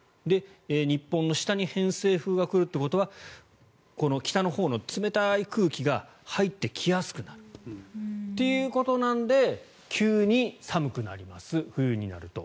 日本の下に偏西風が来るっていうことはこの北のほうの冷たい空気が入ってきやすくなるということなので急に寒くなります、冬になると。